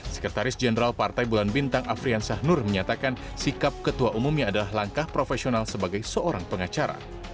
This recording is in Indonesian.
sekretaris jenderal partai bulan bintang afrian syahnur menyatakan sikap ketua umumnya adalah langkah profesional sebagai seorang pengacara